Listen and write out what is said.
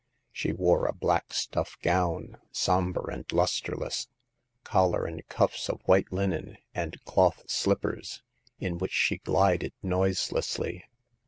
She wore a black stuff gown, somber and lusterless ; collar and cuffs of white linen, and cloth slippers, in which she glided noiselessly.